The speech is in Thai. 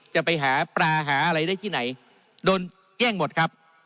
จะไปหาปลาหาอะไรได้ที่ไหนโดนแกล้งหมดครับ